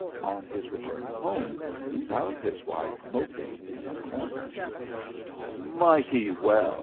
On his return home he found his wife moping in a corner. " Mighty well